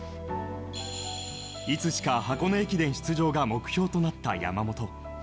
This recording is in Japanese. いつしかは箱根駅伝出場が目標となった山本。